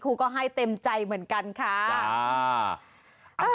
ก็ให้เต็มใจเหมือนกันค่ะ